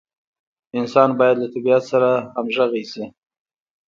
انسان باید له طبیعت سره همغږي شي.